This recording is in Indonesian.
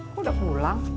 kok udah pulang